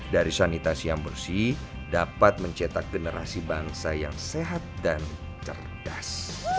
dari sanitasi yang bersih dapat mencetak generasi bangsa yang sehat dan cerdas